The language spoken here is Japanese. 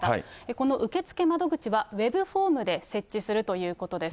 この受け付け窓口はウェブホームで設置するということです。